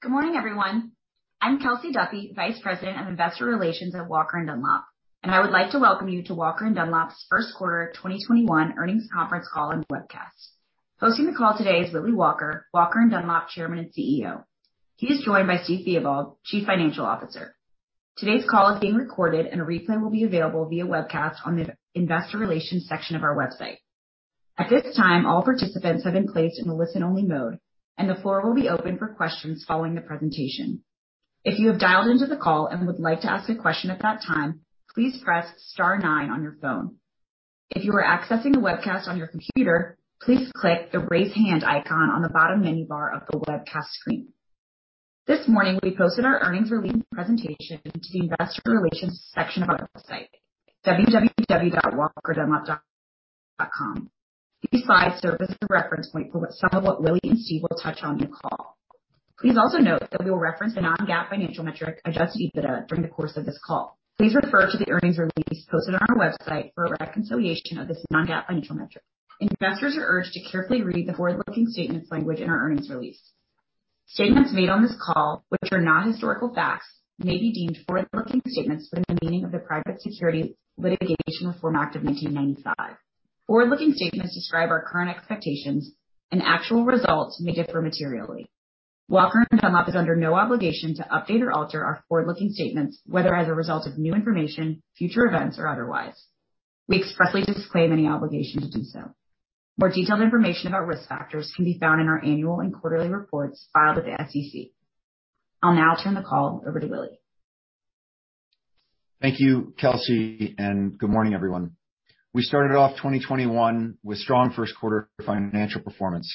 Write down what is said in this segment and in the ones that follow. Good morning, everyone. I'm Kelsey Duffey, Vice President of Investor Relations at Walker & Dunlop, and I would like to welcome you to Walker & Dunlop's first quarter 2021 earnings conference call and webcast. Hosting the call today is Willy Walker & Dunlop Chairman and CEO. He is joined by Steve Theobald, Chief Financial Officer. Today's call is being recorded and a replay will be available via webcast on the Investor Relations section of our website. At this time, all participants have been placed in a listen-only mode, and the floor will be open for questions following the presentation. If you have dialed into the call and would like to ask a question at that time, please press star nine on your phone. If you are accessing the webcast on your computer, please click the raise hand icon on the bottom menu bar of the webcast screen. This morning, we posted our earnings release presentation to the Investor Relations section of our website, www.walkerdunlop.com. These slides serve as a reference point for some of what Willy and Steve will touch on this call. Please also note that we will reference the non-GAAP financial metric, adjusted EBITDA, during the course of this call. Please refer to the earnings release posted on our website for a reconciliation of this non-GAAP financial metric. Investors are urged to carefully read the forward-looking statements language in our earnings release. Statements made on this call, which are not historical facts, may be deemed forward-looking statements within the meaning of the Private Securities Litigation Reform Act of 1995. Forward-looking statements describe our current expectations, and actual results may differ materially. Walker & Dunlop is under no obligation to update or alter our forward-looking statements, whether as a result of new information, future events, or otherwise. We expressly disclaim any obligation to do so. More detailed information about risk factors can be found in our annual and quarterly reports filed with the SEC. I'll now turn the call over to Willy. Thank you, Kelsey, and good morning, everyone. We started off 2021 with strong first quarter financial performance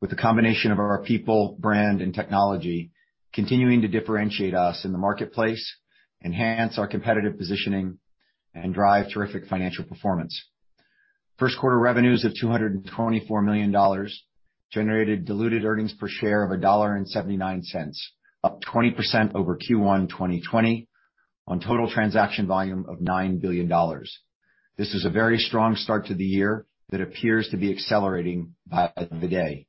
with the combination of our people, brand, and technology continuing to differentiate us in the marketplace, enhance our competitive positioning, and drive terrific financial performance. First quarter revenues of $224 million generated diluted earnings per share of $1.79, up 20% over Q1 2020 on total transaction volume of $9 billion. This is a very strong start to the year that appears to be accelerating by the day.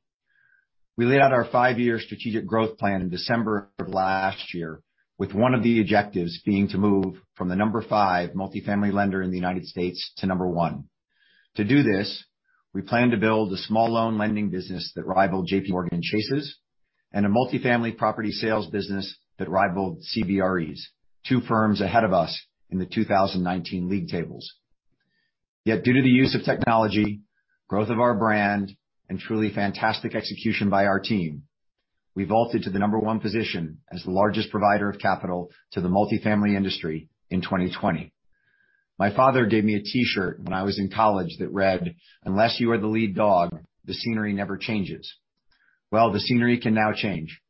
We laid out our five-year strategic growth plan in December of last year, with one of the objectives being to move from the number five multifamily lender in the United States to number one. To do this, we plan to build a small loan lending business that rivaled JPMorgan Chase's and a multifamily property sales business that rivaled CBRE's. Two firms ahead of us in the 2019 league tables. Due to the use of technology, growth of our brand, and truly fantastic execution by our team, we vaulted to the number one position as the largest provider of capital to the multifamily industry in 2020. My father gave me a T-shirt when I was in college that read, "Unless you are the lead dog, the scenery never changes." Well, the scenery can now change,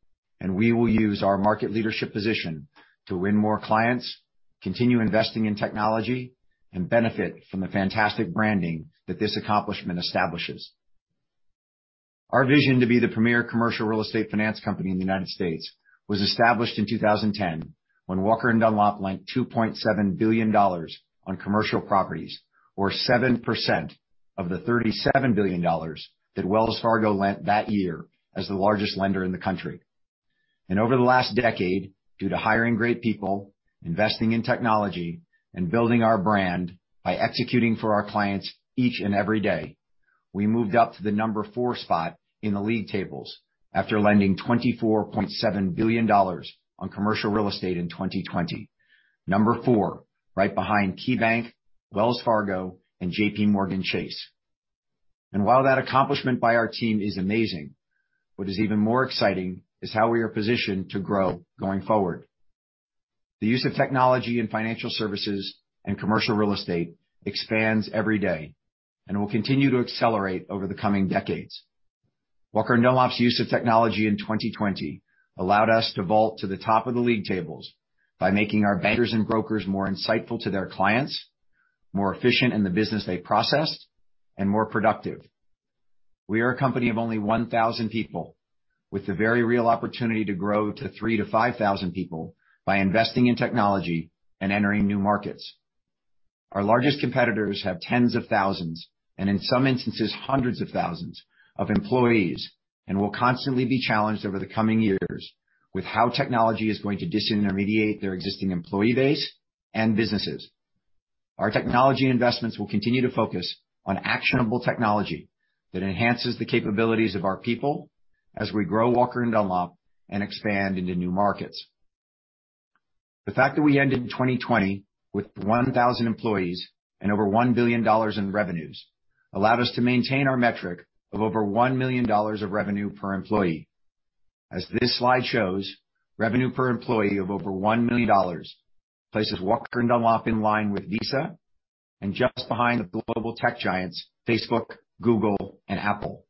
and we will use our market leadership position to win more clients, continue investing in technology, and benefit from the fantastic branding that this accomplishment establishes. Our vision to be the premier commercial real estate finance company in the United States was established in 2010 when Walker & Dunlop lent $2.7 billion on commercial properties, or 7% of the $37 billion that Wells Fargo lent that year as the largest lender in the country. Over the last decade, due to hiring great people, investing in technology, and building our brand by executing for our clients each and every day, we moved up to the number 4 spot in the league tables after lending $24.7 billion on commercial real estate in 2020. Number 4, right behind KeyBank, Wells Fargo, and JPMorgan Chase. While that accomplishment by our team is amazing, what is even more exciting is how we are positioned to grow going forward. The use of technology in financial services and commercial real estate expands every day and will continue to accelerate over the coming decades. Walker & Dunlop's use of technology in 2020 allowed us to vault to the top of the league tables by making our bankers and brokers more insightful to their clients, more efficient in the business they processed, and more productive. We are a company of only 1,000 people with the very real opportunity to grow to 3 to 5,000 people by investing in technology and entering new markets. Our largest competitors have tens of thousands, and in some instances, hundreds of thousands of employees, will constantly be challenged over the coming years with how technology is going to disintermediate their existing employee base and businesses. Our technology investments will continue to focus on actionable technology that enhances the capabilities of our people as we grow Walker & Dunlop and expand into new markets. The fact that we ended 2020 with 1,000 employees and over $1 billion in revenues allowed us to maintain our metric of over $1 million of revenue per employee. As this slide shows, revenue per employee of over $1 million places Walker & Dunlop in line with Visa and just behind the global tech giants Facebook, Google, and Apple.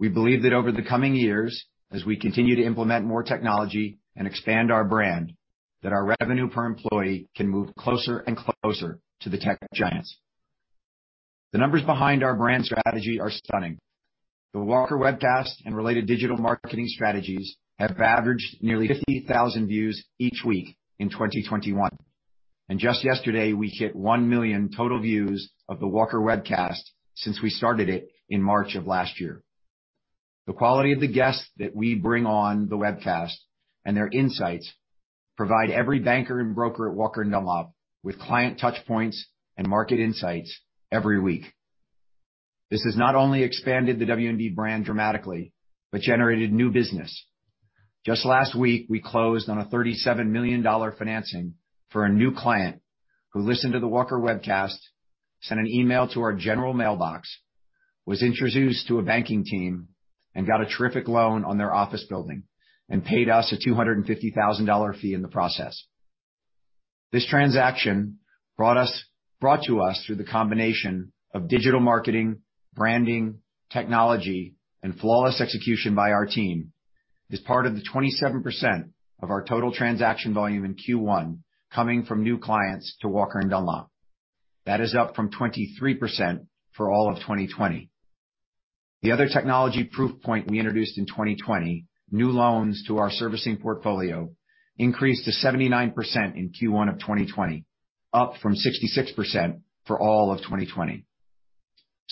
We believe that over the coming years, as we continue to implement more technology and expand our brand, that our revenue per employee can move closer and closer to the tech giants. The numbers behind our brand strategy are stunning. The Walker Webcast and related digital marketing strategies have averaged nearly 50,000 views each week in 2021. Just yesterday, we hit 1 million total views of the Walker Webcast since we started it in March of last year. The quality of the guests that we bring on the Webcast and their insights provide every banker and broker at Walker & Dunlop with client touch points and market insights every week. This has not only expanded the W&D brand dramatically, but generated new business. Just last week, we closed on a $37 million financing for a new client who listened to the Walker Webcast, sent an email to our general mailbox, was introduced to a banking team, and got a terrific loan on their office building, and paid us a $250,000 fee in the process. This transaction, brought to us through the combination of digital marketing, branding, technology, and flawless execution by our team, is part of the 27% of our total transaction volume in Q1 coming from new clients to Walker & Dunlop. That is up from 23% for all of 2020. The other technology proof point we introduced in 2020, new loans to our servicing portfolio increased to 79% in Q1 of 2020, up from 66% for all of 2020.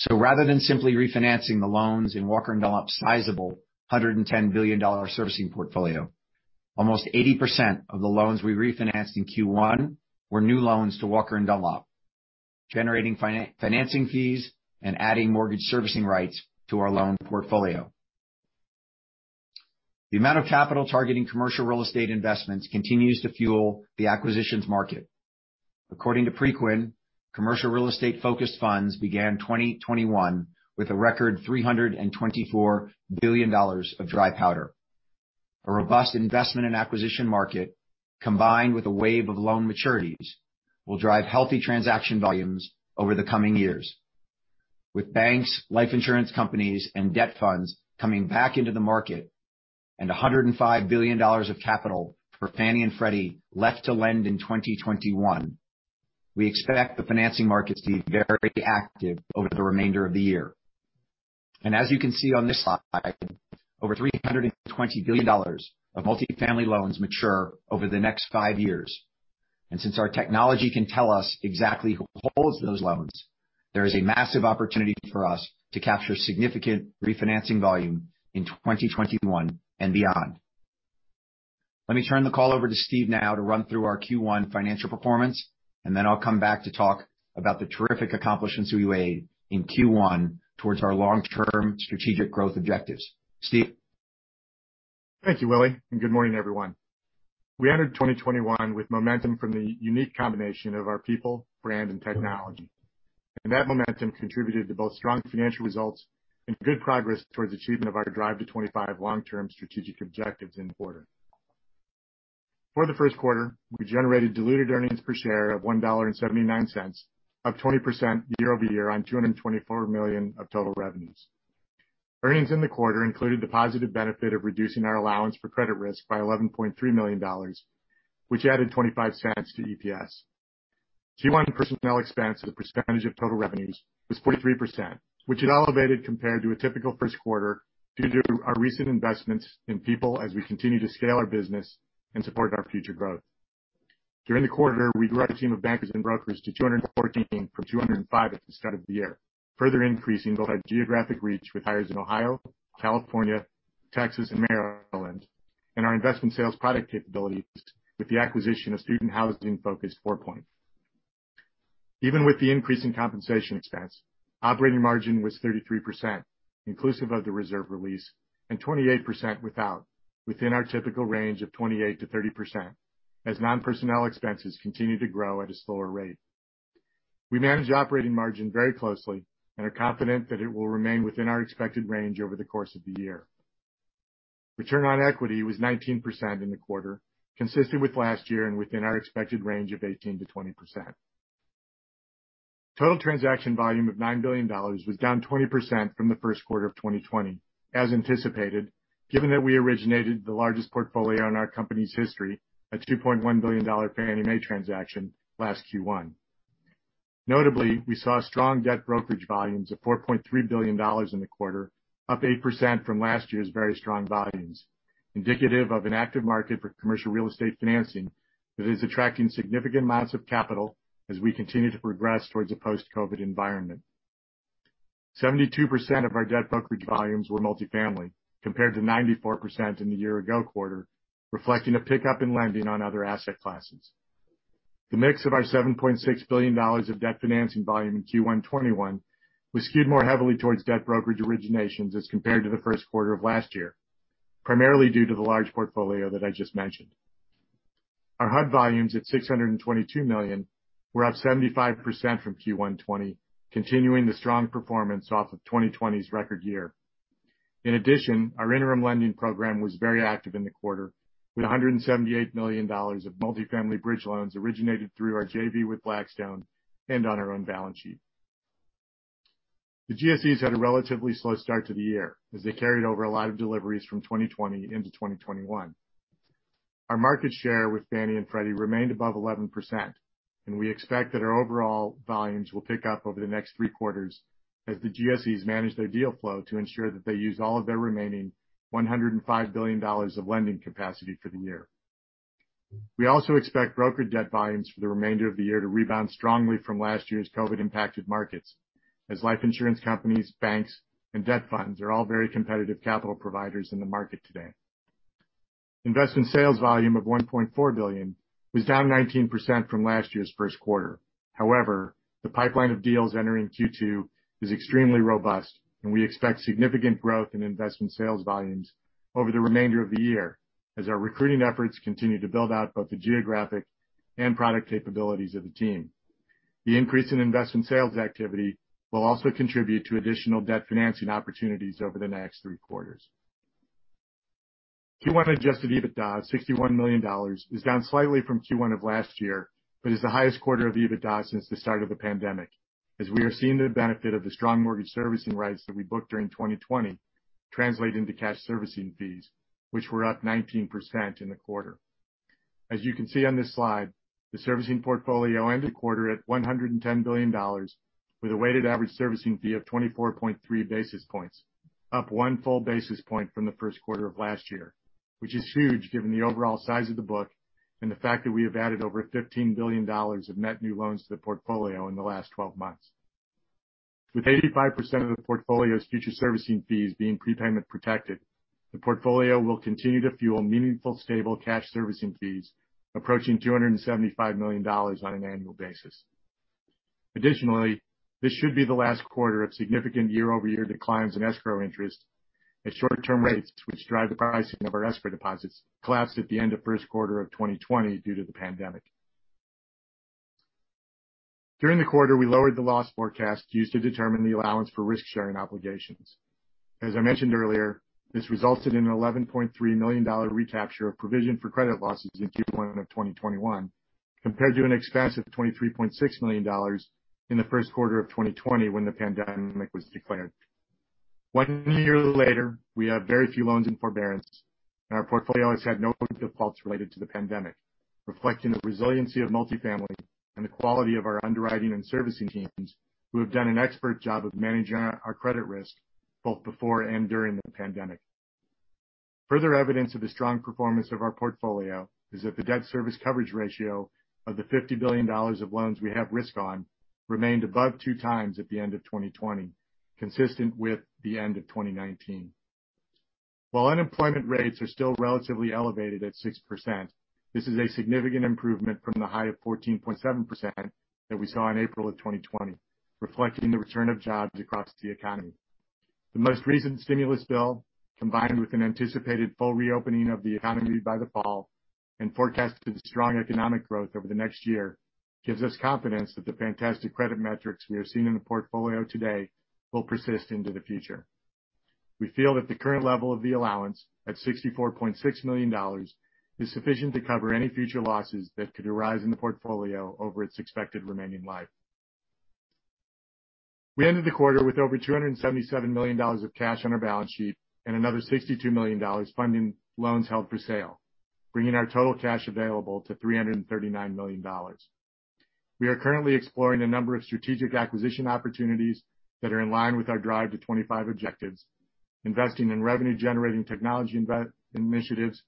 Rather than simply refinancing the loans in Walker & Dunlop's sizable $110 billion servicing portfolio, almost 80% of the loans we refinanced in Q1 were new loans to Walker & Dunlop, generating financing fees and adding mortgage servicing rights to our loan portfolio. The amount of capital targeting commercial real estate investments continues to fuel the acquisitions market. According to Preqin, commercial real estate-focused funds began 2021 with a record $324 billion of dry powder. A robust investment and acquisition market, combined with a wave of loan maturities, will drive healthy transaction volumes over the coming years. With banks, life insurance companies, and debt funds coming back into the market, and $105 billion of capital for Fannie and Freddie left to lend in 2021, we expect the financing market to be very active over the remainder of the year. As you can see on this slide, over $320 billion of multifamily loans mature over the next five years. Since our technology can tell us exactly who holds those loans, there is a massive opportunity for us to capture significant refinancing volume in 2021 and beyond. Let me turn the call over to Steve now to run through our Q1 financial performance, and then I'll come back to talk about the terrific accomplishments we made in Q1 towards our long-term strategic growth objectives. Steve? Thank you, Willy. Good morning, everyone. We entered 2021 with momentum from the unique combination of our people, brand, and technology. That momentum contributed to both strong financial results and good progress towards achievement of our Drive to '25 long-term strategic objectives in the quarter. For the first quarter, we generated diluted earnings per share of $1.79, up 20% year-over-year on $224 million of total revenues. Earnings in the quarter included the positive benefit of reducing our allowance for credit risk by $11.3 million, which added $0.25 to EPS. Q1 personnel expense as a percentage of total revenues was 43%, which is elevated compared to a typical first quarter due to our recent investments in people as we continue to scale our business and support our future growth. During the quarter, we grew our team of bankers and brokers to 214 from 205 at the start of the year, further increasing both our geographic reach with hires in Ohio, California, Texas, and Maryland, and our investment sales product capabilities with the acquisition of student housing-focused FourPoint. Even with the increase in compensation expense, operating margin was 33%, inclusive of the reserve release, and 28% without, within our typical range of 28%-30%, as non-personnel expenses continue to grow at a slower rate. We manage operating margin very closely and are confident that it will remain within our expected range over the course of the year. Return on equity was 19% in the quarter, consistent with last year and within our expected range of 18%-20%. Total transaction volume of $9 billion was down 20% from the first quarter of 2020, as anticipated, given that we originated the largest portfolio in our company's history, a $2.1 billion Fannie Mae transaction last Q1. Notably, we saw strong debt brokerage volumes of $4.3 billion in the quarter, up 8% from last year's very strong volumes, indicative of an active market for commercial real estate financing that is attracting significant amounts of capital as we continue to progress towards a post-COVID environment. 72% of our debt brokerage volumes were multifamily, compared to 94% in the year-ago quarter, reflecting a pickup in lending on other asset classes. The mix of our $7.6 billion of debt financing volume in Q1 2021 was skewed more heavily towards debt brokerage originations as compared to the first quarter of last year, primarily due to the large portfolio that I just mentioned. Our HUD volumes at $622 million were up 75% from Q1 2020, continuing the strong performance off of 2020's record year. In addition, our interim lending program was very active in the quarter, with $178 million of multifamily bridge loans originated through our JV with Blackstone and on our own balance sheet. The GSEs had a relatively slow start to the year, as they carried over a lot of deliveries from 2020 into 2021. Our market share with Fannie and Freddie remained above 11%, and we expect that our overall volumes will pick up over the next three quarters as the GSEs manage their deal flow to ensure that they use all of their remaining $105 billion of lending capacity for the year. We also expect broker debt volumes for the remainder of the year to rebound strongly from last year's COVID-impacted markets, as life insurance companies, banks, and debt funds are all very competitive capital providers in the market today. Investment sales volume of $1.4 billion was down 19% from last year's first quarter. The pipeline of deals entering Q2 is extremely robust, and we expect significant growth in investment sales volumes over the remainder of the year as our recruiting efforts continue to build out both the geographic and product capabilities of the team. The increase in investment sales activity will also contribute to additional debt financing opportunities over the next three quarters. Q1 adjusted EBITDA of $61 million is down slightly from Q1 of last year, but is the highest quarter of EBITDA since the start of the pandemic, as we are seeing the benefit of the strong mortgage servicing rights that we booked during 2020 translate into cash servicing fees, which were up 19% in the quarter. As you can see on this slide, the servicing portfolio ended the quarter at $110 billion with a weighted average servicing fee of 24.3 basis points, up one full basis point from the first quarter of last year, which is huge given the overall size of the book and the fact that we have added over $15 billion of net new loans to the portfolio in the last 12 months. With 85% of the portfolio's future servicing fees being prepayment protected, the portfolio will continue to fuel meaningful, stable cash servicing fees approaching $275 million on an annual basis. Additionally, this should be the last quarter of significant year-over-year declines in escrow interest as short-term rates, which drive the pricing of our escrow deposits, collapsed at the end of first quarter of 2020 due to the pandemic. During the quarter, we lowered the loss forecast used to determine the allowance for risk-sharing obligations. As I mentioned earlier, this resulted in an $11.3 million recapture of provision for credit losses in Q1 of 2021 compared to an expense of $23.6 million in the first quarter of 2020 when the pandemic was declared. One year later, we have very few loans in forbearance, and our portfolio has had no defaults related to the pandemic, reflecting the resiliency of multifamily and the quality of our underwriting and servicing teams who have done an expert job of managing our credit risk both before and during the pandemic. Further evidence of the strong performance of our portfolio is that the debt service coverage ratio of the $50 billion of loans we have risk on remained above two times at the end of 2020, consistent with the end of 2019. While unemployment rates are still relatively elevated at 6%, this is a significant improvement from the high of 14.7% that we saw in April of 2020, reflecting the return of jobs across the economy. The most recent stimulus bill, combined with an anticipated full reopening of the economy by the fall and forecasted strong economic growth over the next year, gives us confidence that the fantastic credit metrics we are seeing in the portfolio today will persist into the future. We feel that the current level of the allowance at $64.6 million is sufficient to cover any future losses that could arise in the portfolio over its expected remaining life. We ended the quarter with over $277 million of cash on our balance sheet and another $62 million funding loans held for sale, bringing our total cash available to $339 million. We are currently exploring a number of strategic acquisition opportunities that are in line with our Drive to '25 objectives, investing in revenue-generating technology initiatives,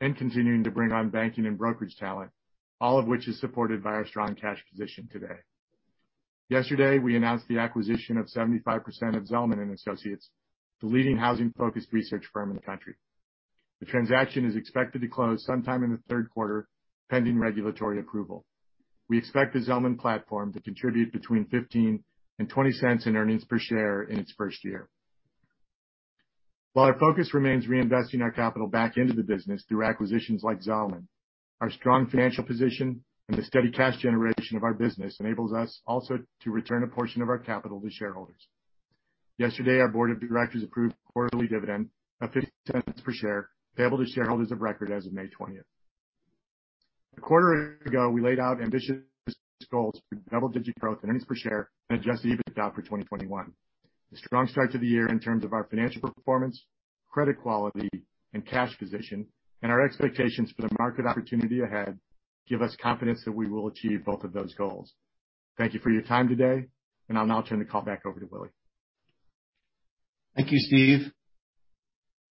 and continuing to bring on banking and brokerage talent, all of which is supported by our strong cash position today. Yesterday, we announced the acquisition of 75% of Zelman & Associates, the leading housing-focused research firm in the country. The transaction is expected to close sometime in the third quarter, pending regulatory approval. We expect the Zelman platform to contribute between $0.15 and $0.20 in earnings per share in its first year. While our focus remains reinvesting our capital back into the business through acquisitions like Zelman, our strong financial position and the steady cash generation of our business enables us also to return a portion of our capital to shareholders. Yesterday, our board of directors approved a quarterly dividend of $0.50 per share, payable to shareholders of record as of May 20th. A quarter ago, we laid out ambitious goals for double-digit growth in EPS and adjusted EBITDA for 2021. The strong start to the year in terms of our financial performance, credit quality, and cash position, and our expectations for the market opportunity ahead give us confidence that we will achieve both of those goals. Thank you for your time today, and I'll now turn the call back over to Willy. Thank you, Steve.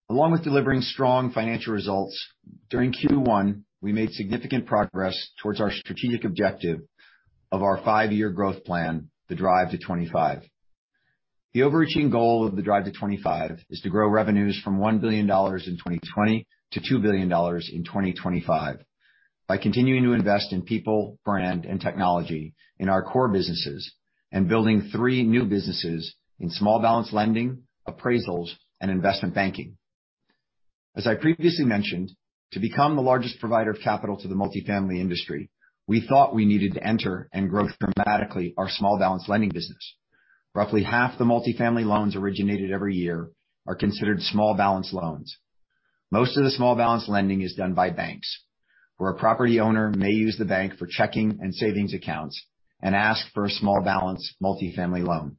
Along with delivering strong financial results, during Q1, we made significant progress towards our strategic objective of our five-year growth plan, the Drive to '25. The overarching goal of the Drive to '25 is to grow revenues from $1 billion in 2020 to $2 billion in 2025 by continuing to invest in people, brand, and technology in our core businesses and building three new businesses in small balance lending, appraisals, and investment banking. As I previously mentioned, to become the largest provider of capital to the multifamily industry, we thought we needed to enter and grow dramatically our small balance lending business. Roughly half the multifamily loans originated every year are considered small balance loans. Most of the small balance lending is done by banks, where a property owner may use the bank for checking and savings accounts and ask for a small balance multifamily loan.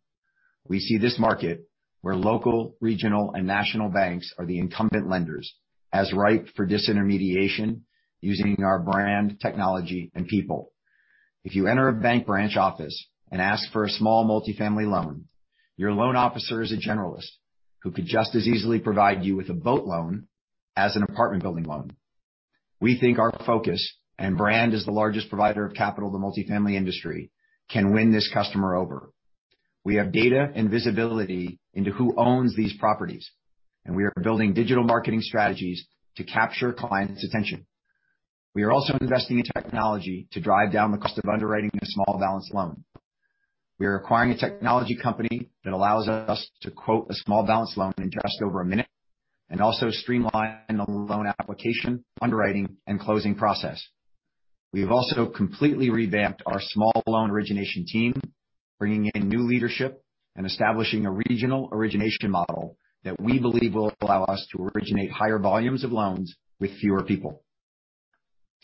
We see this market, where local, regional, and national banks are the incumbent lenders, as ripe for disintermediation using our brand, technology, and people. If you enter a bank branch office and ask for a small multifamily loan, your loan officer is a generalist who could just as easily provide you with a boat loan as an apartment building loan. We think our focus and brand as the largest provider of capital to the multifamily industry can win this customer over. We have data and visibility into who owns these properties, and we are building digital marketing strategies to capture clients' attention. We are also investing in technology to drive down the cost of underwriting a small balance loan. We are acquiring a technology company that allows us to quote a small balance loan in just over a minute and also streamline the loan application, underwriting, and closing process. We have also completely revamped our small loan origination team, bringing in new leadership and establishing a regional origination model that we believe will allow us to originate higher volumes of loans with fewer people.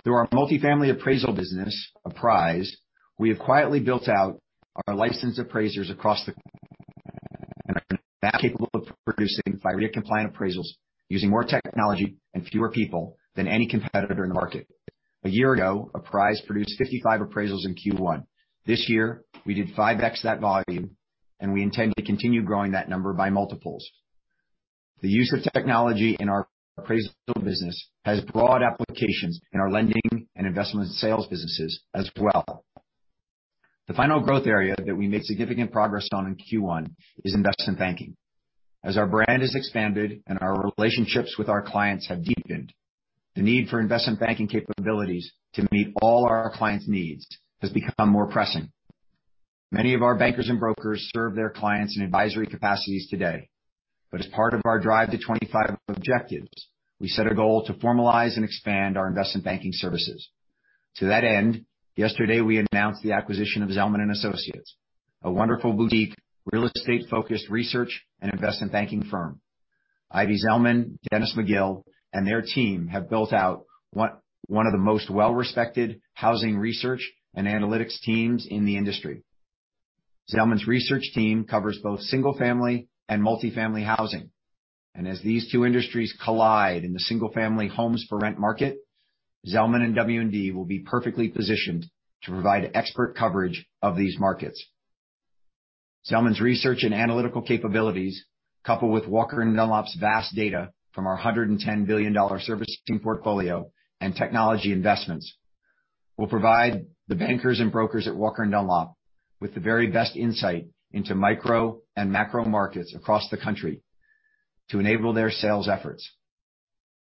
Through our multifamily appraisal business, Apprise, we have quietly built out our licensed appraisers across the and are now capable of producing FIRREA-compliant appraisals using more technology and fewer people than any competitor in the market. A year ago, Apprise produced 55 appraisals in Q1. This year, we did 5x that volume, and we intend to continue growing that number by multiples. The use of technology in our appraisal business has broad applications in our lending and investment sales businesses as well. The final growth area that we made significant progress on in Q1 is investment banking. As our brand has expanded and our relationships with our clients have deepened, the need for investment banking capabilities to meet all our clients' needs has become more pressing. Many of our bankers and brokers serve their clients in advisory capacities today. As part of our Drive to '25 objectives, we set a goal to formalize and expand our investment banking services. To that end, yesterday, we announced the acquisition of Zelman & Associates, a wonderful boutique real estate-focused research and investment banking firm. Ivy Zelman, Dennis McGill, and their team have built out one of the most well-respected housing research and analytics teams in the industry. Zelman's research team covers both single-family and multifamily housing. As these two industries collide in the single-family homes for rent market, Zelman and W&D will be perfectly positioned to provide expert coverage of these markets. Zelman's research and analytical capabilities, coupled with Walker & Dunlop's vast data from our $110 billion servicing portfolio and technology investments, will provide the bankers and brokers at Walker & Dunlop with the very best insight into micro and macro markets across the country to enable their sales efforts.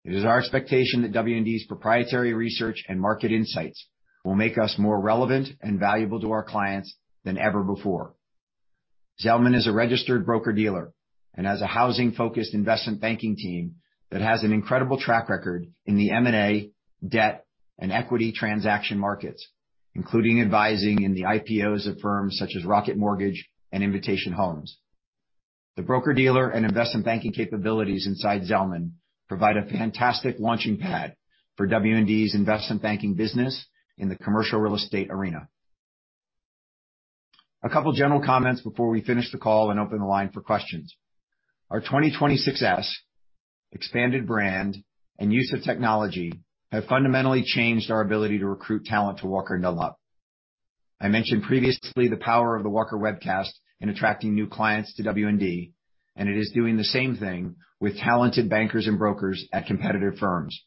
It is our expectation that W&D's proprietary research and market insights will make us more relevant and valuable to our clients than ever before. Zelman is a registered broker-dealer and has a housing-focused investment banking team that has an incredible track record in the M&A debt and equity transaction markets, including advising in the IPOs of firms such as Rocket Mortgage and Invitation Homes. The broker-dealer and investment banking capabilities inside Zelman provide a fantastic launching pad for W&D's investment banking business in the commercial real estate arena. A couple general comments before we finish the call and open the line for questions. Our 2020 success expanded brand and use of technology have fundamentally changed our ability to recruit talent to Walker & Dunlop. I mentioned previously the power of the Walker webcast in attracting new clients to W&D. It is doing the same thing with talented bankers and brokers at competitive firms.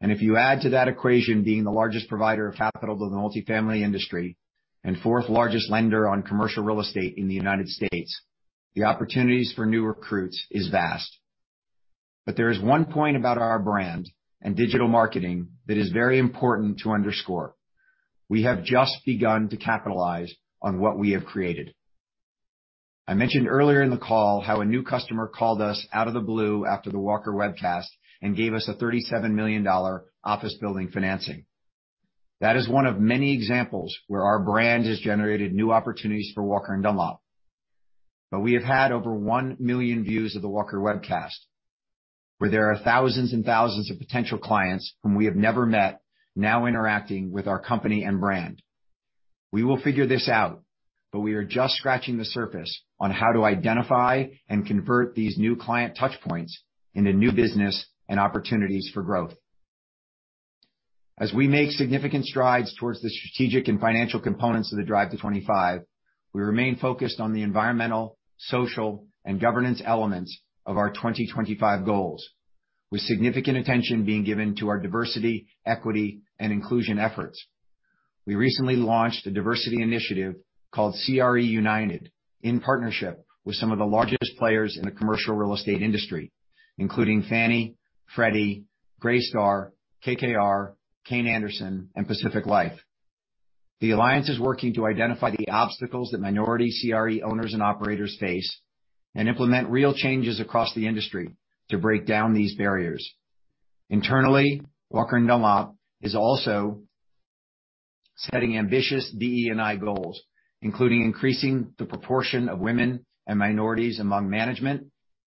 If you add to that equation being the largest provider of capital to the multifamily industry and fourth-largest lender on commercial real estate in the United States, the opportunities for new recruits is vast. There is one point about our brand and digital marketing that is very important to underscore. We have just begun to capitalize on what we have created. I mentioned earlier in the call how a new customer called us out of the blue after the Walker Webcast and gave us a $37 million office building financing. That is one of many examples where our brand has generated new opportunities for Walker & Dunlop. We have had over 1 million views of the Walker Webcast, where there are thousands and thousands of potential clients whom we have never met now interacting with our company and brand. We will figure this out, we are just scratching the surface on how to identify and convert these new client touchpoints into new business and opportunities for growth. As we make significant strides towards the strategic and financial components of the Drive to '25, we remain focused on the environmental, social, and governance elements of our 2025 goals, with significant attention being given to our diversity, equity, and inclusion efforts. We recently launched a diversity initiative called CRE United in partnership with some of the largest players in the commercial real estate industry, including Fannie, Freddie, Greystar, KKR, Kayne Anderson, and Pacific Life. The alliance is working to identify the obstacles that minority CRE owners and operators face and implement real changes across the industry to break down these barriers. Internally, Walker & Dunlop is also setting ambitious DE&I goals, including increasing the proportion of women and minorities among management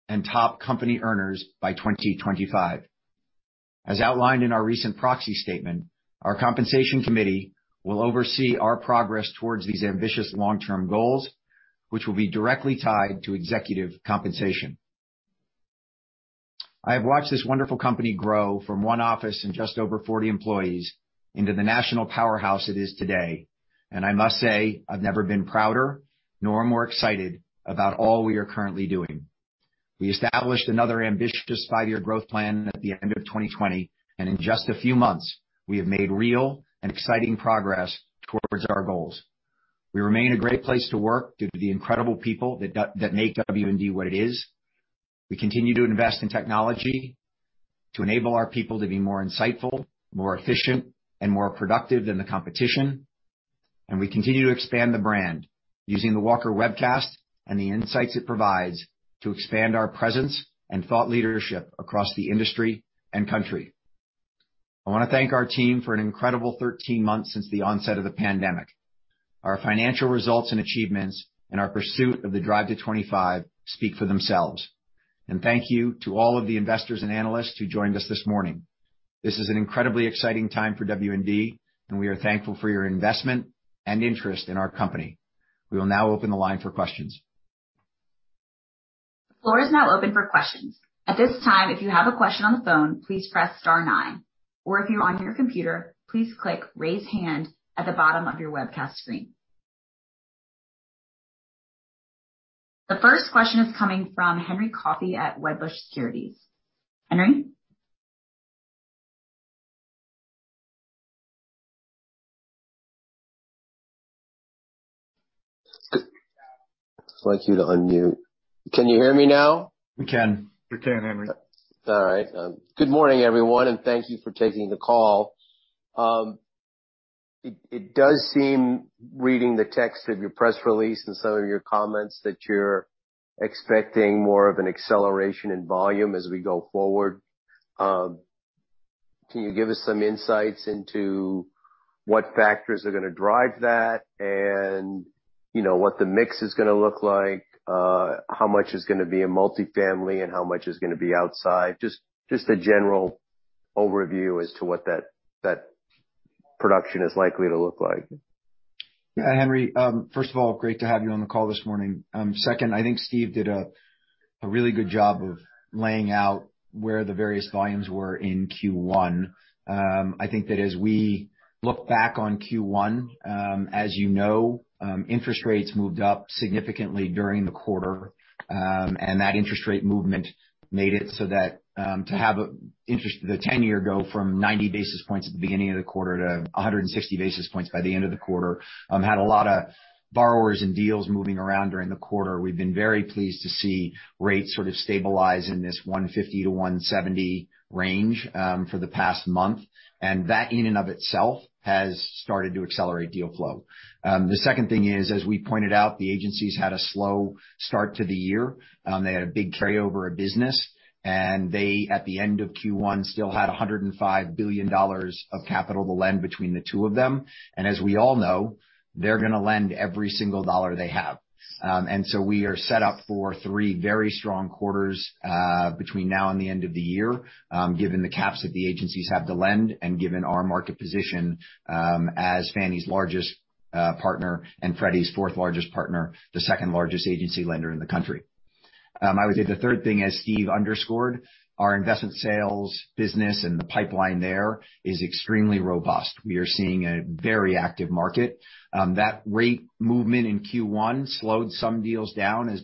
and top company earners by 2025. As outlined in our recent proxy statement, our compensation committee will oversee our progress towards these ambitious long-term goals, which will be directly tied to executive compensation. I have watched this wonderful company grow from one office and just over 40 employees into the national powerhouse it is today. I must say, I've never been prouder nor more excited about all we are currently doing. We established another ambitious five-year growth plan at the end of 2020, and in just a few months, we have made real and exciting progress towards our goals. We remain a great place to work due to the incredible people that make W&D what it is. We continue to invest in technology to enable our people to be more insightful, more efficient, and more productive than the competition. We continue to expand the brand using the Walker Webcast and the insights it provides to expand our presence and thought leadership across the industry and country. I want to thank our team for an incredible 13 months since the onset of the pandemic. Our financial results and achievements and our pursuit of the Drive to '25 speak for themselves. Thank you to all of the investors and analysts who joined us this morning. This is an incredibly exciting time for W&D, and we are thankful for your investment and interest in our company. We will now open the line for questions. The floor is now open for questions. At this time, if you have a question on the phone, please press star nine. Or if you're on your computer, please click Raise Hand at the bottom of your webcast screen. The first question is coming from Henry Coffey at Wedbush Securities. Henry? I'd like you to unmute. Can you hear me now? We can. We can, Henry. All right. Good morning, everyone, and thank you for taking the call. It does seem, reading the text of your press release and some of your comments, that you're expecting more of an acceleration in volume as we go forward. Can you give us some insights into what factors are going to drive that and what the mix is going to look like? How much is going to be in multifamily, and how much is going to be outside? Just a general overview as to what that production is likely to look like. Yeah, Henry. First of all, great to have you on the call this morning. Second, I think Steve did a really good job of laying out where the various volumes were in Q1. I think that as we look back on Q1, as you know, interest rates moved up significantly during the quarter. That interest rate movement made it so that to have the 10-year go from 90 basis points at the beginning of the quarter to 160 basis points by the end of the quarter had a lot of borrowers and deals moving around during the quarter. We've been very pleased to see rates sort of stabilize in this 150 basis points-170 basis points range for the past month. That in and of itself has started to accelerate deal flow. The second thing is, as we pointed out, the Agencies had a slow start to the year. They had a big carryover of business, and they, at the end of Q1, still had $105 billion of capital to lend between the two of them. As we all know, they're going to lend every single dollar they have. We are set up for three very strong quarters between now and the end of the year, given the caps that the agencies have to lend and given our market position as Fannie's largest partner and Freddie's fourth-largest partner, the second-largest agency lender in the country. I would say the third thing, as Steve underscored, our investment sales business and the pipeline there is extremely robust. We are seeing a very active market. That rate movement in Q1 slowed some deals down as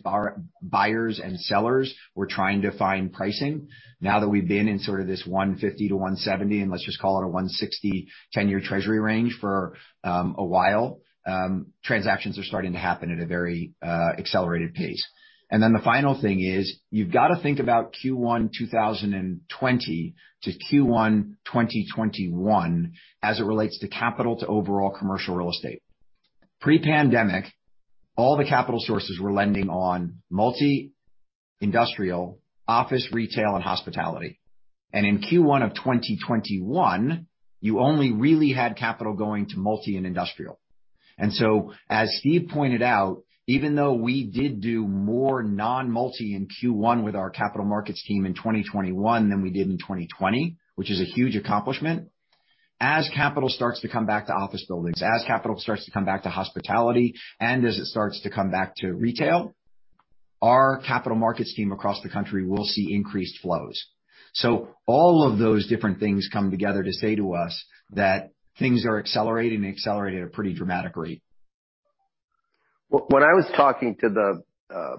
buyers and sellers were trying to find pricing. Now that we've been in sort of this 150 to 170, and let's just call it a 160 10-year treasury range for a while, transactions are starting to happen at a very accelerated pace. The final thing is you've got to think about Q1 2020 to Q1 2021 as it relates to capital to overall commercial real estate. Pre-pandemic, all the capital sources were lending on multi, industrial, office, retail, and hospitality. In Q1 of 2021, you only really had capital going to multi and industrial. As Steve pointed out, even though we did do more non-multi in Q1 with our capital markets team in 2021 than we did in 2020, which is a huge accomplishment, as capital starts to come back to office buildings, as capital starts to come back to hospitality, and as it starts to come back to retail, our capital markets team across the country will see increased flows. All of those different things come together to say to us that things are accelerating and accelerating at a pretty dramatic rate. When I was talking to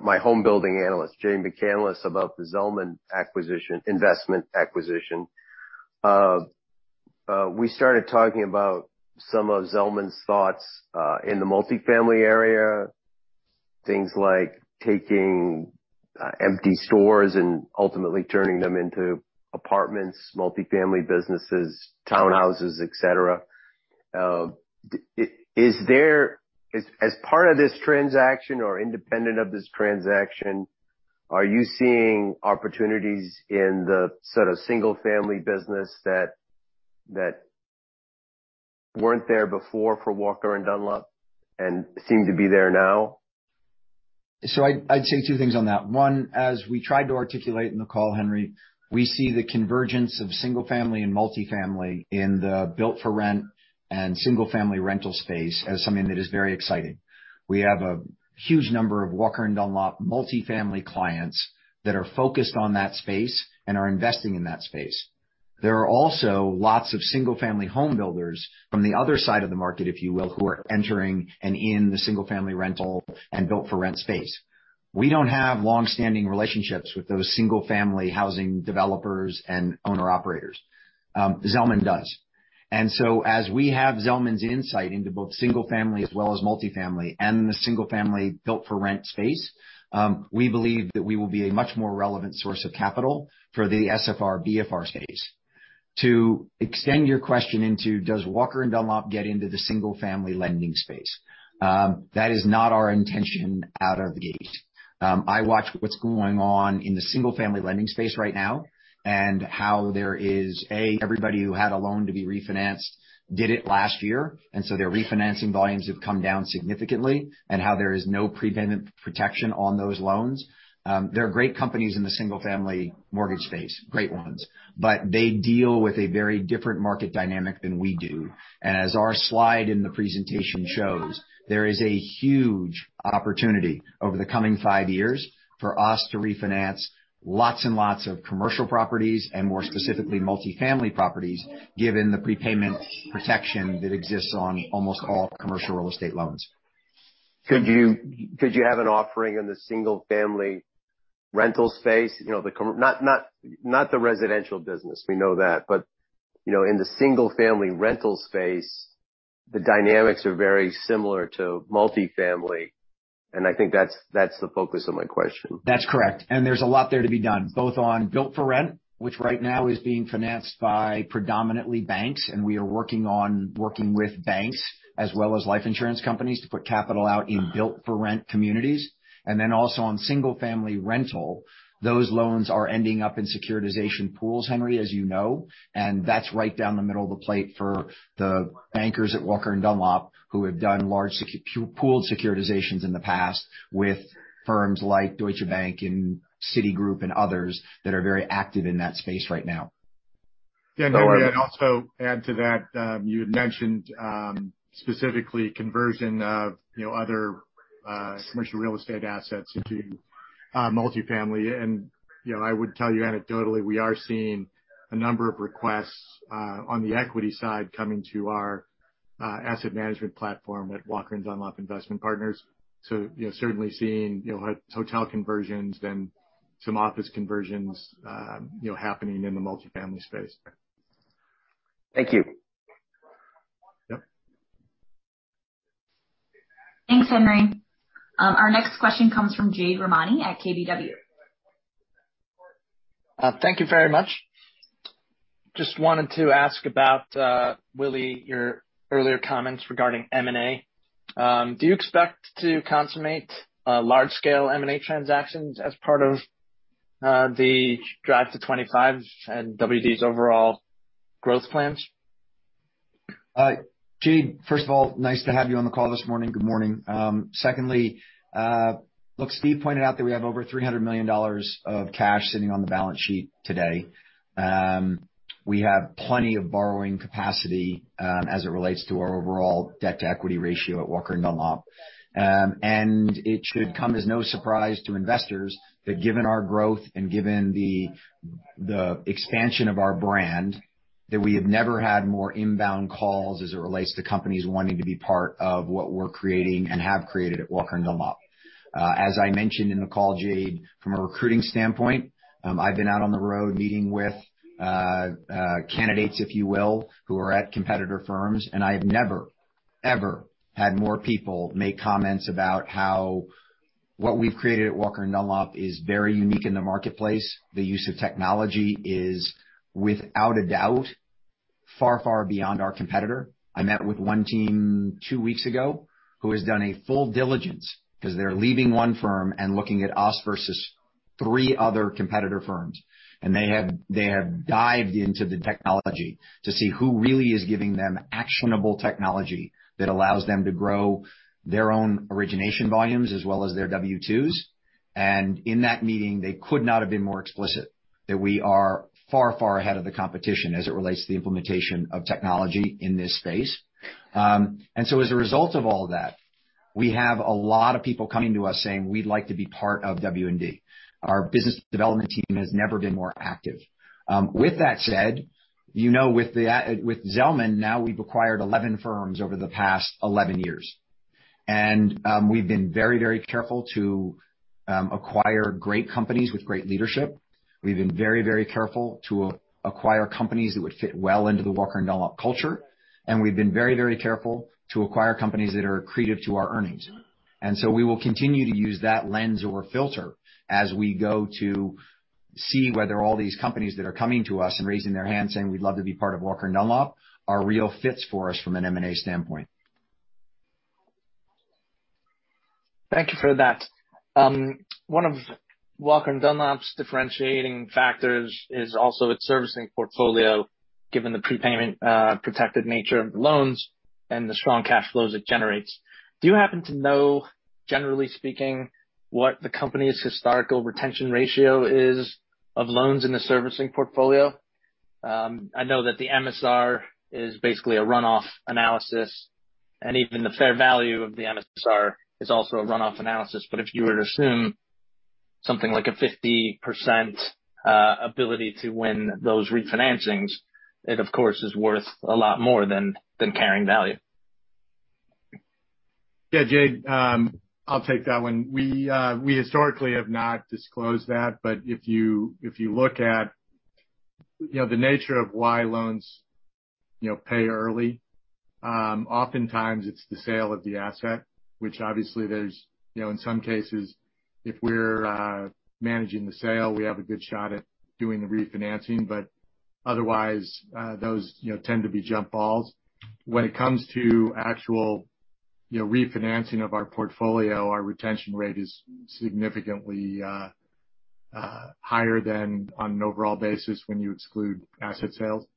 my home building analyst, Jay McCanless, about the Zelman investment acquisition, we started talking about some of Zelman's thoughts in the multifamily area, things like taking empty stores and ultimately turning them into apartments, multifamily businesses, townhouses, et cetera. As part of this transaction or independent of this transaction, are you seeing opportunities in the sort of single-family business that weren't there before for Walker & Dunlop and seem to be there now? I'd say two things on that. One, as we tried to articulate in the call, Henry, we see the convergence of single-family and multifamily in the built-for-rent and single-family rental space as something that is very exciting. We have a huge number of Walker & Dunlop multifamily clients that are focused on that space and are investing in that space. There are also lots of single-family home builders from the other side of the market, if you will, who are entering and in the single-family rental and built-for-rent space. We don't have long-standing relationships with those single-family housing developers and owner-operators. Zelman does. As we have Zelman's insight into both single-family as well as multifamily and the single-family built-for-rent space, we believe that we will be a much more relevant source of capital for the SFR, BFR space. To extend your question into, does Walker & Dunlop get into the single-family lending space? That is not our intention out of the gate. I watch what's going on in the single-family lending space right now and how there is, A, everybody who had a loan to be refinanced did it last year, and so their refinancing volumes have come down significantly, and how there is no prepayment protection on those loans. There are great companies in the single-family mortgage space, great ones, but they deal with a very different market dynamic than we do. As our slide in the presentation shows, there is a huge opportunity over the coming five years for us to refinance lots and lots of commercial properties and more specifically, multifamily properties, given the prepayment protection that exists on almost all commercial real estate loans. Could you have an offering in the single-family rental space? Not the residential business, we know that. In the single-family rental space, the dynamics are very similar to multifamily, and I think that's the focus of my question. That's correct. There's a lot there to be done, both on built-for-rent, which right now is being financed by predominantly banks, and we are working on working with banks as well as life insurance companies to put capital out in built-for-rent communities. Then also on single-family rental. Those loans are ending up in securitization pools, Henry, as you know, and that's right down the middle of the plate for the bankers at Walker & Dunlop, who have done large pooled securitizations in the past with firms like Deutsche Bank and Citigroup and others that are very active in that space right now. Henry, if I may also add to that, you had mentioned, specifically conversion of other commercial real estate assets into multifamily. I would tell you anecdotally, we are seeing a number of requests on the equity side coming to our asset management platform at Walker & Dunlop Investment Partners. Certainly seeing hotel conversions and some office conversions happening in the multifamily space. Thank you. Yep. Thanks, Henry. Our next question comes from Jade Rahmani at KBW. Thank you very much. Just wanted to ask about, Willy, your earlier comments regarding M&A. Do you expect to consummate large-scale M&A transactions as part of the Drive to '25 and W&D's overall growth plans? Jade, first of all, nice to have you on the call this morning. Good morning. Secondly, look, Steve pointed out that we have over $300 million of cash sitting on the balance sheet today. We have plenty of borrowing capacity as it relates to our overall debt-to-equity ratio at Walker & Dunlop. It should come as no surprise to investors that given our growth and given the expansion of our brand, that we have never had more inbound calls as it relates to companies wanting to be part of what we're creating and have created at Walker & Dunlop. As I mentioned in the call, Jade, from a recruiting standpoint, I've been out on the road meeting with candidates, if you will, who are at competitor firms, and I have never, ever had more people make comments about how what we've created at Walker & Dunlop is very unique in the marketplace. The use of technology is without a doubt, far beyond our competitor. I met with one team two weeks ago who has done a full diligence because they're leaving one firm and looking at us versus three other competitor firms. They have dived into the technology to see who really is giving them actionable technology that allows them to grow their own origination volumes as well as their W2s. In that meeting, they could not have been more explicit that we are far ahead of the competition as it relates to the implementation of technology in this space. As a result of all that, we have a lot of people coming to us saying we'd like to be part of W&D. Our business development team has never been more active. With that said, you know with Zelman now, we've acquired 11 firms over the past 11 years. We've been very careful to acquire great companies with great leadership. We've been very careful to acquire companies that would fit well into the Walker & Dunlop culture. We've been very careful to acquire companies that are accretive to our earnings. We will continue to use that lens or filter as we go to see whether all these companies that are coming to us and raising their hands saying, "We'd love to be part of Walker & Dunlop," are real fits for us from an M&A standpoint. Thank you for that. One of Walker & Dunlop's differentiating factors is also its servicing portfolio, given the prepayment protected nature of the loans and the strong cash flows it generates. Do you happen to know, generally speaking, what the company's historical retention ratio is of loans in the servicing portfolio? I know that the MSR is basically a runoff analysis, and even the fair value of the MSR is also a runoff analysis. If you were to assume something like a 50% ability to win those refinancings, it of course, is worth a lot more than carrying value. Yeah, Jade, I'll take that one. We historically have not disclosed that, but if you look at the nature of why loans pay early, oftentimes it's the sale of the asset, which obviously there's, in some cases, if we're managing the sale, we have a good shot at doing the refinancing. Otherwise, those tend to be jump balls. When it comes to actual refinancing of our portfolio, our retention rate is significantly higher than on an overall basis when you exclude asset sales.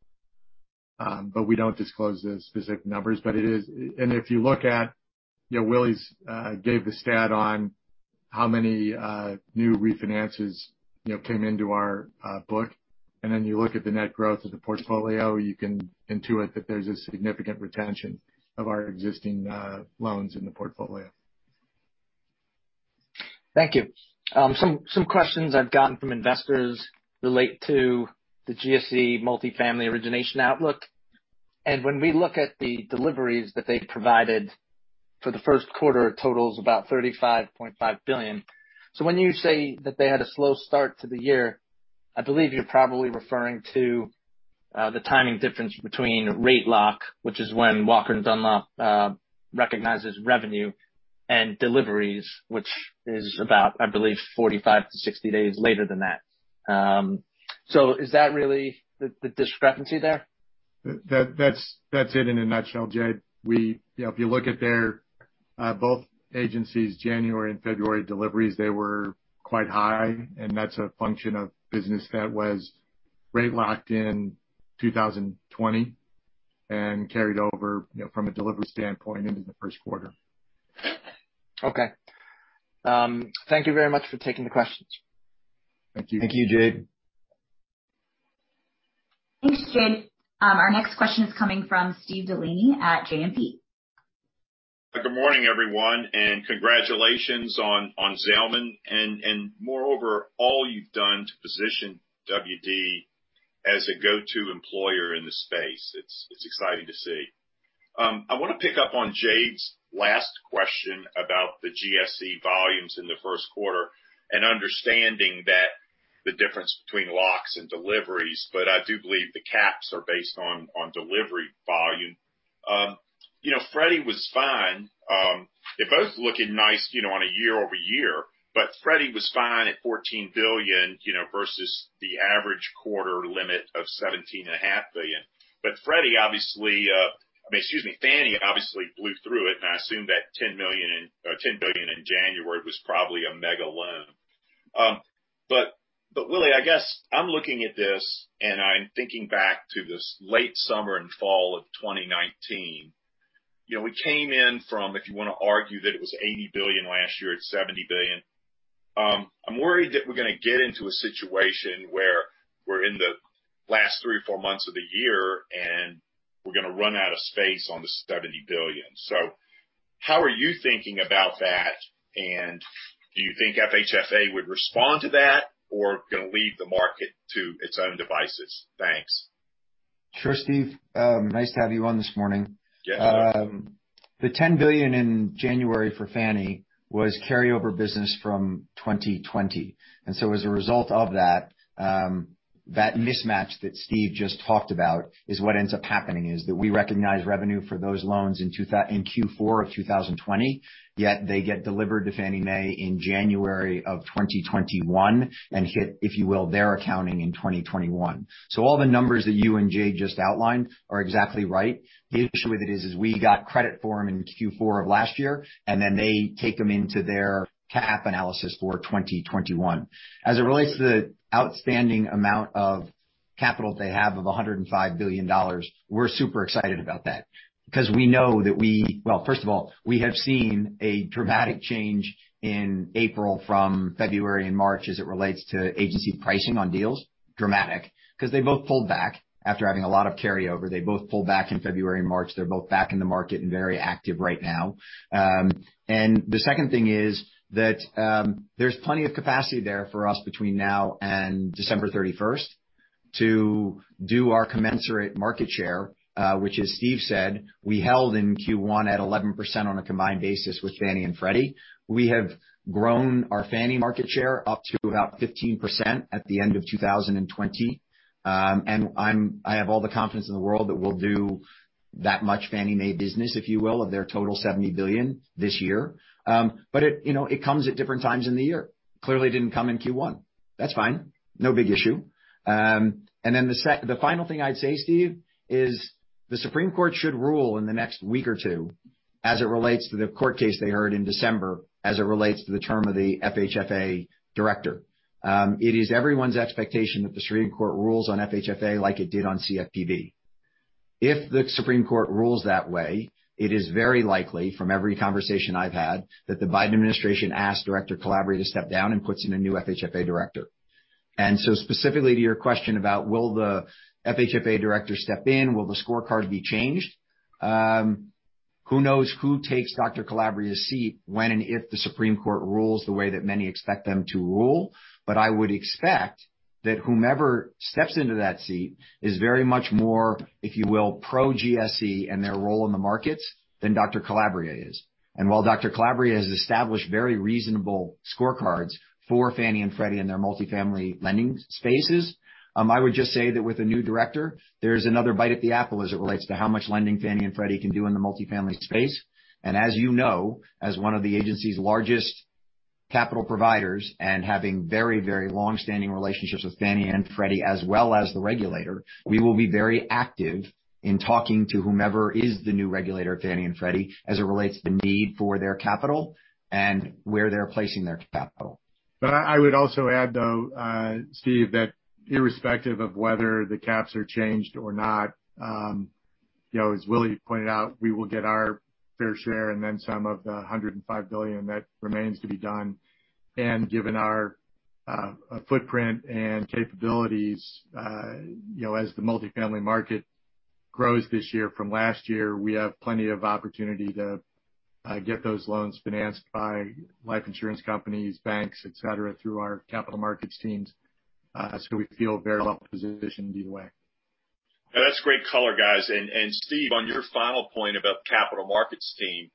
We don't disclose the specific numbers. If you look at, Willy's gave the stat on how many new refinances came into our book, and then you look at the net growth of the portfolio, you can intuit that there's a significant retention of our existing loans in the portfolio. Thank you. Some questions I've gotten from investors relate to the GSE multifamily origination outlook. When we look at the deliveries that they provided for the first quarter totals about $35.5 billion. When you say that they had a slow start to the year, I believe you're probably referring to the timing difference between rate lock, which is when Walker & Dunlop recognizes revenue and deliveries, which is about, I believe, 45 to 60 days later than that. Is that really the discrepancy there? That's it in a nutshell, Jade. If you look at their both agencies' January and February deliveries, they were quite high, and that's a function of business that was rate locked in 2020 and carried over from a delivery standpoint into the first quarter. Okay. Thank you very much for taking the questions. Thank you. Thank you, Jade. Thanks, Jade. Our next question is coming from Steven Delaney at JMP. Good morning, everyone, and congratulations on Zelman and moreover, all you've done to position W&D as a go-to employer in this space. It's exciting to see. I want to pick up on Jade's last question about the GSE volumes in the first quarter and understanding that the difference between locks and deliveries, but I do believe the caps are based on delivery volume. Freddie was fine. They're both looking nice on a year-over-year, but Freddie was fine at $14 billion, versus the average quarter limit of $17.5 billion. Fannie obviously blew through it, and I assume that $10 billion in January was probably a mega loan. Willy, I guess I'm looking at this, and I'm thinking back to this late summer and fall of 2019. We came in from, if you want to argue that it was $80 billion last year, it's $70 billion. I'm worried that we're going to get into a situation where we're in the last three or four months of the year, and we're going to run out of space on the $70 billion. How are you thinking about that, and do you think FHFA would respond to that or going to leave the market to its own devices? Thanks. Sure, Steve. Nice to have you on this morning. Yeah. The $10 billion in January for Fannie was carryover business from 2020. As a result of that mismatch that Steve just talked about is what ends up happening, is that we recognize revenue for those loans in Q4 of 2020, yet they get delivered to Fannie Mae in January of 2021 and hit, if you will, their accounting in 2021. All the numbers that you and Jade just outlined are exactly right. The issue with it is we got credit for them in Q4 of last year, and then they take them into their cap analysis for 2021. As it relates to the outstanding amount of capital they have of $105 billion, we're super excited about that because we know that well, first of all, we have seen a dramatic change in April from February and March as it relates to agency pricing on deals. Dramatic. They both pulled back after having a lot of carryover. They both pulled back in February and March. They're both back in the market and very active right now. The second thing is that there's plenty of capacity there for us between now and December 31st to do our commensurate market share, which as Steve said, we held in Q1 at 11% on a combined basis with Fannie and Freddie. We have grown our Fannie market share up to about 15% at the end of 2020. I have all the confidence in the world that we'll do that much Fannie Mae business, if you will, of their total $70 billion this year. It comes at different times in the year. Clearly didn't come in Q1. That's fine. No big issue. The final thing I'd say, Steve, is the Supreme Court should rule in the next week or two as it relates to the court case they heard in December as it relates to the term of the FHFA director. It is everyone's expectation that the Supreme Court rules on FHFA like it did on CFPB. If the Supreme Court rules that way, it is very likely, from every conversation I've had, that the Biden administration asks Director Calabria to step down and puts in a new FHFA director. Specifically to your question about will the FHFA director step in? Will the scorecard be changed? Who knows who takes Dr. Calabria's seat when and if the Supreme Court rules the way that many expect them to rule. I would expect that whomever steps into that seat is very much more, if you will, pro GSE and their role in the markets than Dr. Calabria is. While Dr. Calabria has established very reasonable scorecards for Fannie and Freddie in their multifamily lending spaces, I would just say that with a new director, there's another bite at the apple as it relates to how much lending Fannie and Freddie can do in the multifamily space. As you know, as one of the agency's largest capital providers and having very, very long-standing relationships with Fannie and Freddie, as well as the regulator, we will be very active in talking to whomever is the new regulator of Fannie and Freddie as it relates to the need for their capital and where they are placing their capital. I would also add, though, Steve, that irrespective of whether the caps are changed or not, as Willy pointed out, we will get our fair share and then some of the $105 billion that remains to be done. Given our footprint and capabilities, as the multifamily market grows this year from last year, we have plenty of opportunity to get those loans financed by life insurance companies, banks, et cetera, through our capital markets teams. We feel very well-positioned either way. That's great color, guys. Steve, on your final point about capital markets team.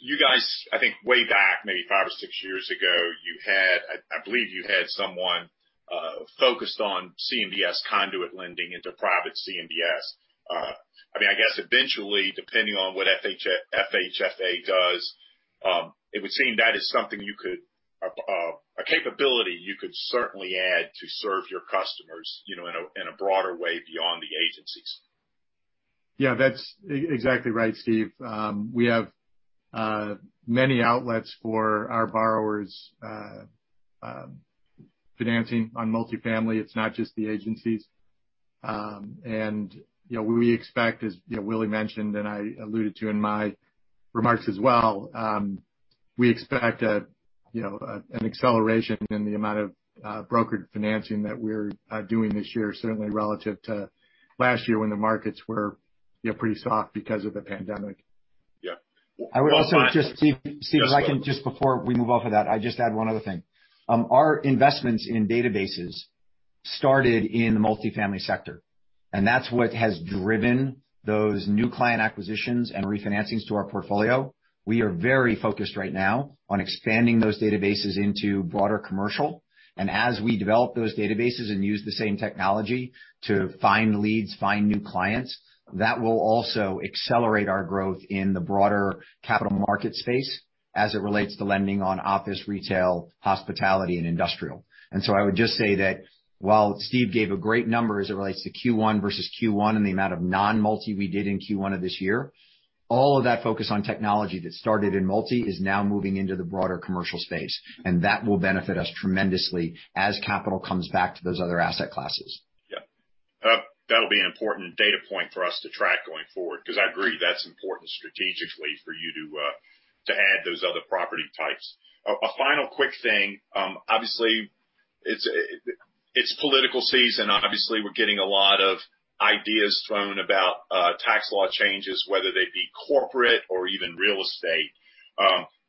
You guys, I think way back maybe five or six years ago, I believe you had someone focused on CMBS conduit lending into private CMBS. I guess eventually, depending on what FHFA does, it would seem that is a capability you could certainly add to serve your customers in a broader way beyond the agencies. Yeah. That's exactly right, Steve. We have many outlets for our borrowers financing on multifamily. It's not just the agencies. We expect, as Willy mentioned, and I alluded to in my remarks as well, we expect an acceleration in the amount of brokered financing that we're doing this year, certainly relative to last year when the markets were pretty soft because of the pandemic. Yeah. I would also just, Steve, if I can, just before we move off of that, I just add one other thing. Our investments in databases started in the multifamily sector. That's what has driven those new client acquisitions and refinancings to our portfolio. We are very focused right now on expanding those databases into broader commercial. As we develop those databases and use the same technology to find leads, find new clients, that will also accelerate our growth in the broader capital market space as it relates to lending on office, retail, hospitality, and industrial. I would just say that while Steve gave a great number as it relates to Q1 versus Q1 and the amount of non-multi we did in Q1 of this year, all of that focus on technology that started in multi is now moving into the broader commercial space, and that will benefit us tremendously as capital comes back to those other asset classes. Yeah. That'll be an important data point for us to track going forward because I agree that's important strategically for you to add those other property types. A final quick thing. Obviously, it's political season. Obviously, we're getting a lot of ideas thrown about tax law changes, whether they be corporate or even real estate.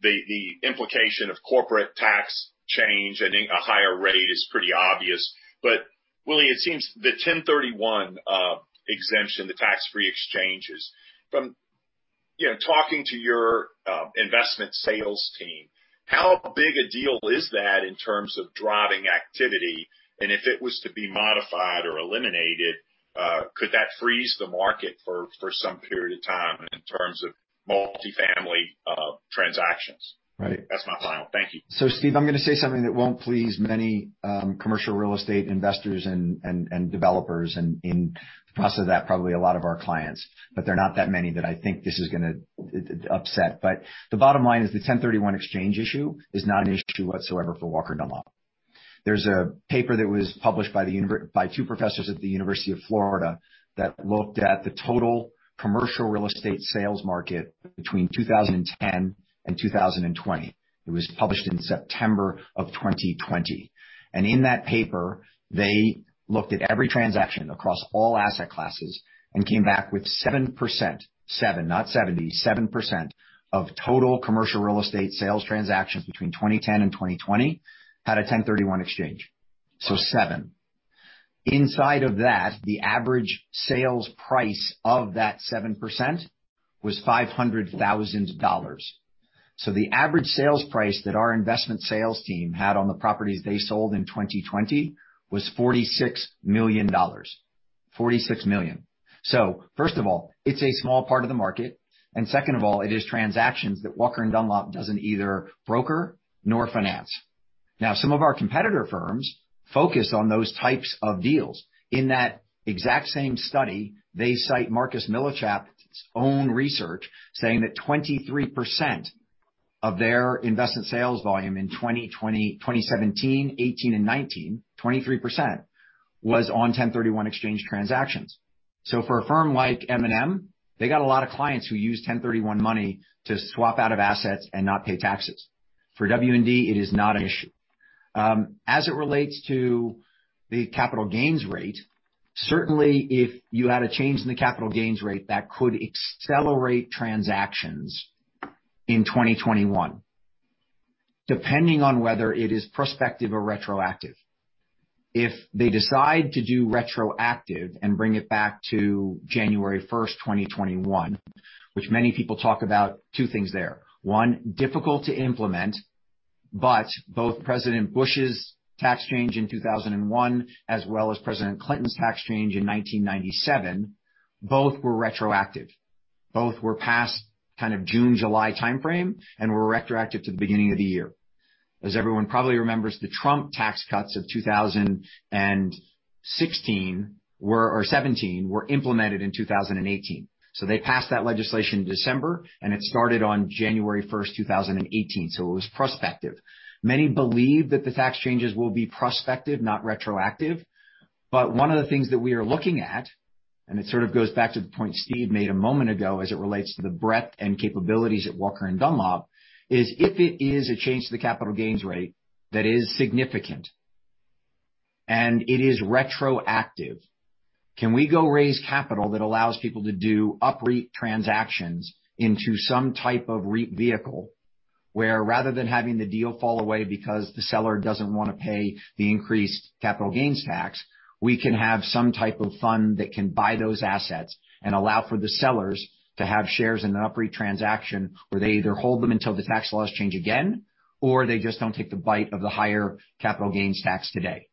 The implication of corporate tax change at a higher rate is pretty obvious. Willy, it seems the 1031 exchange, the tax-free exchanges. From talking to your investment sales team, how big a deal is that in terms of driving activity? If it was to be modified or eliminated, could that freeze the market for some period of time in terms of multifamily transactions? Right. That's my final. Thank you. Steve, I'm going to say something that won't please many commercial real estate investors and developers, and in the process of that, probably a lot of our clients, but they're not that many that I think this is going to upset. The bottom line is the 1031 exchange issue is not an issue whatsoever for Walker & Dunlop. There's a paper that was published by two professors at the University of Florida that looked at the total commercial real estate sales market between 2010 and 2020. It was published in September of 2020. In that paper, they looked at every transaction across all asset classes and came back with 7%, seven not 70, 7% of total commercial real estate sales transactions between 2010 and 2020 had a 1031 exchange. Seven. Inside of that, the average sales price of that 7% was $500,000. The average sales price that our investment sales team had on the properties they sold in 2020 was $46 million. $46 million. First of all, it's a small part of the market, and second of all, it is transactions that Walker & Dunlop doesn't either broker nor finance. Now, some of our competitor firms focus on those types of deals. In that exact same study, they cite Marcus & Millichap's own research saying that 23% of their investment sales volume in 2017, 2018, and 2019, 23% was on 1031 exchange transactions. For a firm like M&M, they got a lot of clients who use 1031 money to swap out of assets and not pay taxes. For W&D, it is not an issue. As it relates to the capital gains rate, certainly if you had a change in the capital gains rate, that could accelerate transactions in 2021, depending on whether it is prospective or retroactive. If they decide to do retroactive and bring it back to January 1st, 2021, which many people talk about two things there. One, difficult to implement. Both President Bush's tax change in 2001, as well as President Clinton's tax change in 1997, both were retroactive. Both were passed kind of June, July timeframe, were retroactive to the beginning of the year. As everyone probably remembers, the Trump tax cuts of 2016 or 2017 were implemented in 2018. They passed that legislation in December, it started on January 1st, 2018, it was prospective. Many believe that the tax changes will be prospective, not retroactive. One of the things that we are looking at, and it sort of goes back to the point Steve made a moment ago as it relates to the breadth and capabilities at Walker & Dunlop, is if it is a change to the capital gains rate that is significant, and it is retroactive, can we go raise capital that allows people to do UPREIT transactions into some type of REIT vehicle, where rather than having the deal fall away because the seller doesn't want to pay the increased capital gains tax, we can have some type of fund that can buy those assets and allow for the sellers to have shares in an UPREIT transaction, where they either hold them until the tax laws change again, or they just don't take the bite of the higher capital gains tax today.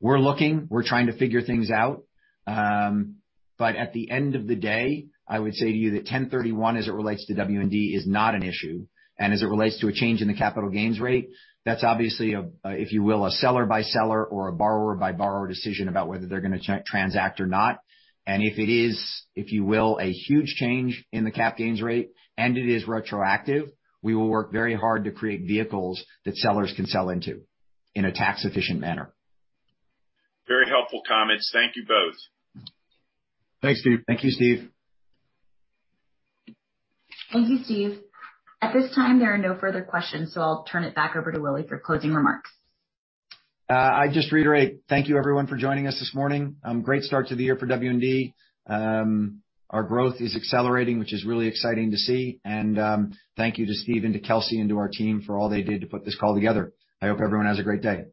We're looking, we're trying to figure things out. At the end of the day, I would say to you that 1031, as it relates to W&D, is not an issue. As it relates to a change in the capital gains rate, that's obviously, if you will, a seller-by-seller or a borrower-by-borrower decision about whether they're going to transact or not. If it is, if you will, a huge change in the cap gains rate and it is retroactive, we will work very hard to create vehicles that sellers can sell into in a tax-efficient manner. Very helpful comments. Thank you both. Thanks, Steve. Thank you, Steve. Thank you, Steve. At this time, there are no further questions, so I'll turn it back over to Willy for closing remarks. I just reiterate, thank you everyone for joining us this morning. Great start to the year for W&D. Our growth is accelerating, which is really exciting to see. Thank you to Steve and to Kelsey and to our team for all they did to put this call together. I hope everyone has a great day.